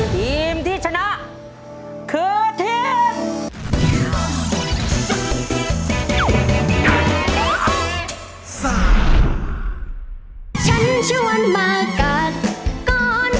ทีมที่ชนะครับ